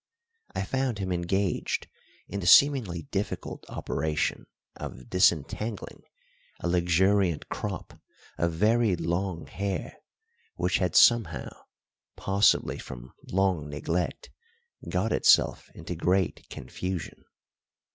I found him engaged in the seemingly difficult operation of disentangling a luxuriant crop of very long hair, which had somehow possibly from long neglect got itself into great confusion.